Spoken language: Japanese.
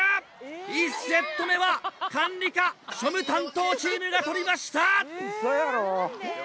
１セット目は管理課庶務担当チームが取りました！